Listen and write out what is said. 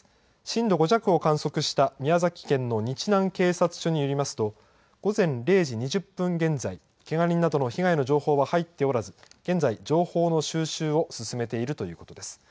震度５弱を観測した宮崎県の日南警察署によりますと、午前０時２０分現在、けが人などの被害の情報は入っておらず、現在情報の収集を進めているということです。